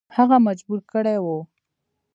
هغه مجبور کړی وو.